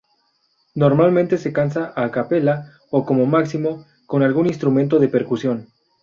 Normalmente se canta a capela o, como máximo, con algún instrumento de percusión.